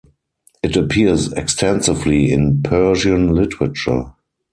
It appears extensively in Persian literature.